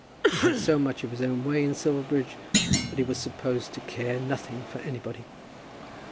He had so much of his own way in Silverbridge, that he was supposed to care nothing for anybody.